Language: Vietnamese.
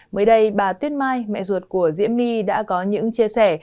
mới đây bà tuyết mai mẹ ruột của diễm my đã có những chia sẻ